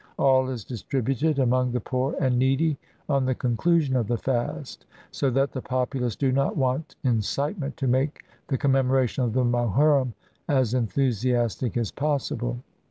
All is distributed among the poor and needy on the conclusion of the fast; so that the populace do not want incitement to make the com memoration of the Mohurrim as enthusiastic as possible.